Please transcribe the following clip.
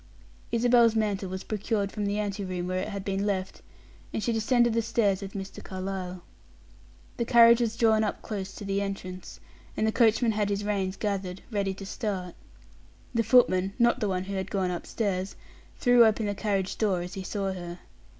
Isabel's mantle was procured from the ante room where it had been left, and she descended the stairs with Mr. Carlyle. The carriage was drawn up close to the entrance, and the coachman had his reins gathered, ready to start. The footman not the one who had gone upstairs threw open the carriage door as he saw her.